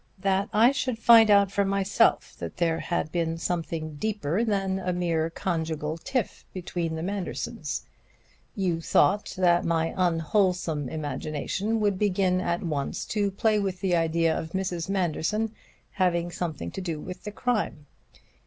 that I should find out for myself that there had been something deeper than a mere conjugal tiff between the Mandersons. You thought that my unwholesome imagination would begin at once to play with the idea of Mrs. Manderson having something to do with the crime.